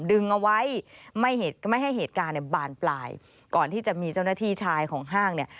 ดึงเอาไว้ไม่ให้เหตุการณ์เนี่ยบานปลายก่อนที่จะมีเจ้าหน้าที่ชายของห้างเนี่ย